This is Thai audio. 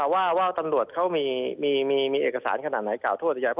ว่าตำรวจเขามีเอกสารขนาดไหนกล่าวโทษใหญ่